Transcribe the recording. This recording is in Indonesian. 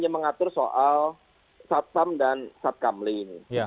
mengatur soal satpam dan satkamling